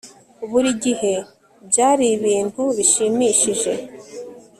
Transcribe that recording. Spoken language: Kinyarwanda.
buri gihe byari ibintu bishimishije